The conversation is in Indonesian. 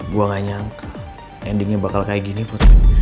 gue gak nyangka endingnya bakal kayak gini put